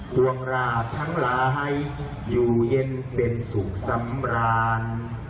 ดวงราชทั้งหลายอยู่เย็นเป็นสุขสำราญ